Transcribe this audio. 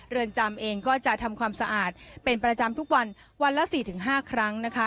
เรือนจำเองก็จะทำความสะอาดเป็นประจำทุกวันวันละ๔๕ครั้งนะคะ